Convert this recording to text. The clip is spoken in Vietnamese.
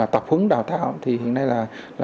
tập hướng đào tạo thì hiện nay là